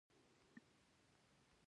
د نبات ساقې یا تنې دنده څه ده